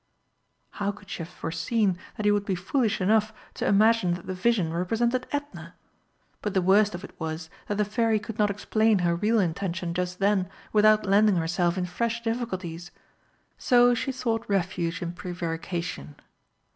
How could she have foreseen that he would be foolish enough to imagine that the vision represented Edna? But the worst of it was that the Fairy could not explain her real intention just then without landing herself in fresh difficulties. So she sought refuge in prevarication.